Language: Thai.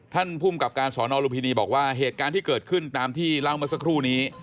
ภูมิกับการสอนอลุมพินีบอกว่าเหตุการณ์ที่เกิดขึ้นตามที่เล่าเมื่อสักครู่นี้